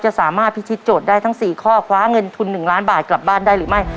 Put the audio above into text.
สามารถพิธีโจทย์ได้ทั้ง๔ข้อคว้าเงินทุน๑ล้านบาทกลับบ้านได้หรือไม่